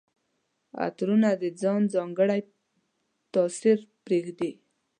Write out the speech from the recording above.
عطرونه د ځان ځانګړی تاثر پرېږدي.